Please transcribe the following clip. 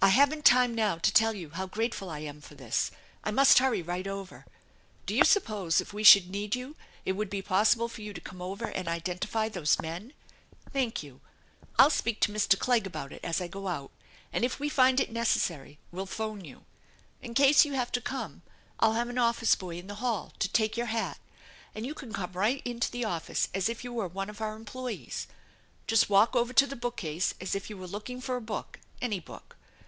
I haven't time now to tell you how grateful I am for this. I must hurry right over. Do you suppose if we should need you it would be possible for you to come over and identify those men ? Thank you. I'll speak to Mr. Clegg about it as I go out, and if we find it necessary we'll phone you. In case you have to come I'll have an office boy in the hall to take youi hat, and you can come right into the office as if you wero one of our employees just walk over to the bookcase as if you were looking for a book any book.